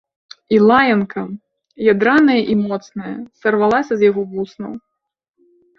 І лаянка, ядраная і моцная, сарвалася з яго вуснаў.